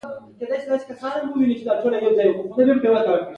چي زه لاس په ډکومه هغه پښو ته زولانه سي